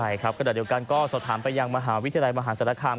ใช่ครับกระดาษเดียวกันก็สอบถามไปยังมหาวิทยาลัยมหาศาลคาม